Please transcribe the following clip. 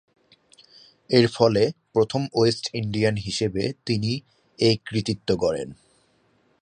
এরফলে প্রথম West Indian হিসেবে তিনি এ কৃতিত্ব গড়েন।